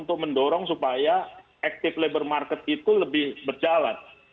untuk mendorong supaya active labor market itu lebih berjalan